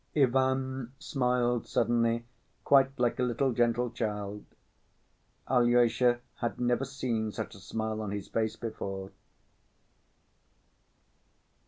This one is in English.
Ivan smiled suddenly quite like a little gentle child. Alyosha had never seen such a smile on his face before.